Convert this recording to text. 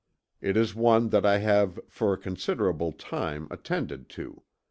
It is one that I have for a considerable time attended to.